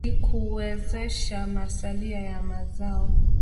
ili kuwezesha masalia ya mazao